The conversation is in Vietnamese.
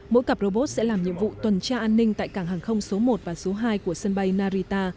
mỗi cặp robot sẽ làm nhiệm vụ tuần tra an ninh tại cảng hàng không số một và số hai của sân bay narita